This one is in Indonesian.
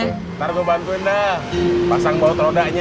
ntar gua bantuin dah pasang bau trodaknya